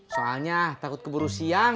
soalnya takut keburu siang